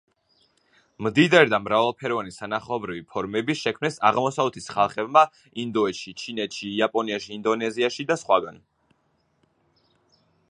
მდიდარი და მრავალფეროვანი სანახაობრივი ფორმები შექმნეს აღმოსავლეთის ხალხებმა ინდოეთში, ჩინეთში, იაპონიაში, ინდონეზიაში და სხვაგან.